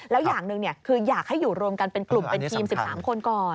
แล้วอย่างหนึ่งคืออยากให้อยู่รวมกันเป็นกลุ่มเป็นทีม๑๓คนก่อน